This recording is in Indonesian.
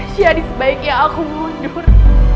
jadi sebaiknya aku mundur